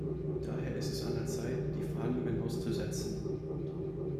Daher ist es an der Zeit, die Verhandlungen auszusetzen.